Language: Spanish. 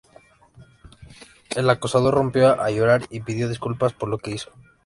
El acosador rompió a llorar y pidió disculpas por lo que hizo.